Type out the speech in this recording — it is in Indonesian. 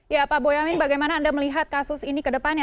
ya pak boyamin bagaimana anda melihat kasus ini ke depannya